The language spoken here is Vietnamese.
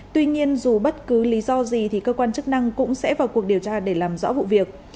tuy nhiên dù bất cứ lý do gì thì cơ quan chức năng cũng sẽ vào cuộc điều tra để làm rõ vụ việc